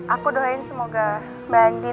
aku doain semoga mbak andin dan joninya